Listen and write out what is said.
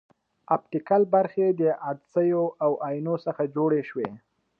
اپټیکل برخې د عدسیو او اینو څخه جوړې شوې.